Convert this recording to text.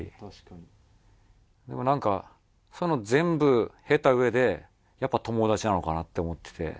でもなんかその全部経た上でやっぱ友達なのかなって思ってて。